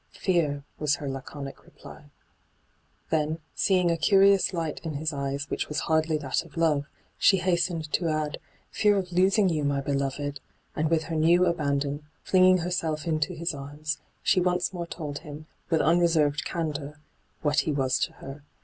' Fear,' was her laconic reply. Then, seeing a curious light in his eyes which was hardly that of love, she hastened to add, * Fear of losing you, my beloved I' and with her new abandon, flinging herself into his arms, she once more told him, with unreserved candour, what he was to her.